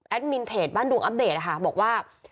แอดมินเพจบ้านดูอัปเดตบอกว่า